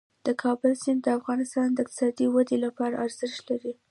د کابل سیند د افغانستان د اقتصادي ودې لپاره ارزښت لري.